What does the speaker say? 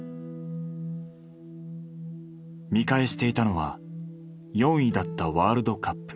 見返していたのは４位だったワールドカップ。